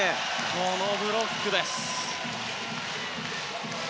このブロックです！